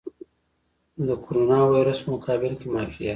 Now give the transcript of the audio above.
د کوروناویرس په مقابل کې معافیت.